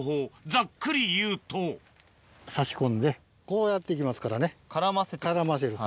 ざっくり言うと差し込んでこうやっていきますからね。